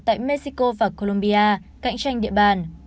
tại mexico và colombia cạnh tranh địa bàn